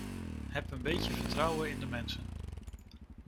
Heb een beetje vertrouwen in de mensen.